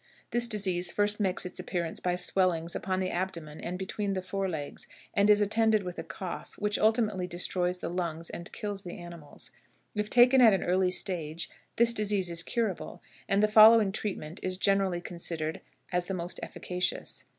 This disease first makes its appearance by swellings upon the abdomen and between the fore legs, and is attended with a cough, which ultimately destroys the lungs and kills the animal. If taken at an early stage, this disease is curable, and the following treatment is generally considered as the most efficacious.